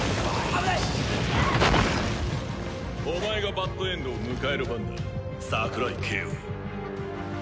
お前がバッドエンドを迎える番だ桜井景和。